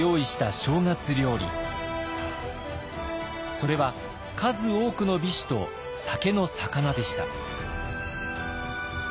それは数多くの美酒と酒の肴でした。